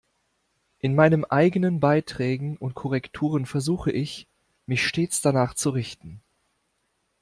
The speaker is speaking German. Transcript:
In meinen eigenen Beiträgen und Korrekturen versuche ich, mich stets danach zu richten.